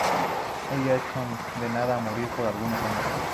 Ella es condenada a morir por algunos años.